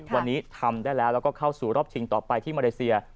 วันนี้ทำได้แล้วแล้วก็เข้าสู่รอบชิงต่อไปที่มาเลเซีย